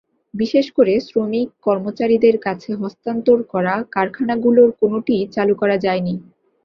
বিশেষ করে শ্রমিক-কর্মচারীদের কাছে হস্তান্তর করা কারখানাগুলোর কোনোটিই চালু করা যায়নি।